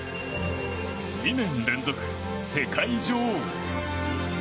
２年連続世界女王。